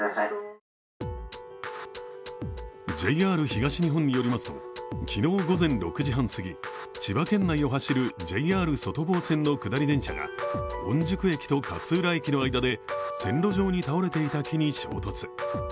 ＪＲ東日本によりますと昨日午前６時半すぎ千葉県内を走るＪＲ外房線の下り電車が御宿駅と勝浦駅の間で線路上に倒れていた木に衝突。